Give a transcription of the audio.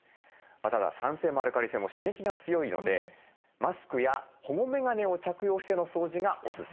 ただ酸性もアルカリ性も刺激が強いのでマスクや保護メガネを着用しての掃除がオススメです。